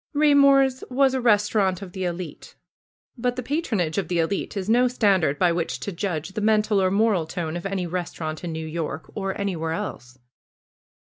Raymor's was a restaurant of the elite. But the patronage of the elite is no stand ard by which to judge the mental or moral tone of any restaurant in New York, or anywhere else.